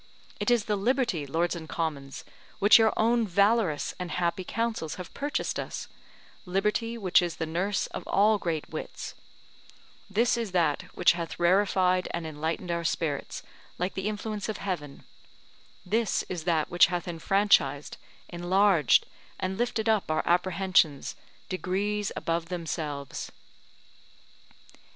It is the liberty, Lords and Commons, which your own valorous and happy counsels have purchased us, liberty which is the nurse of all great wits; this is that which hath rarefied and enlightened our spirits like the influence of heaven; this is that which hath enfranchised, enlarged and lifted up our apprehensions, degrees above themselves.